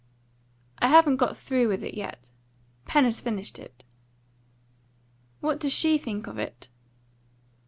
"I haven't got through with it yet. Pen has finished it." "What does she think of it?"